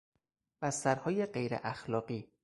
بسترهای غیراخلاقی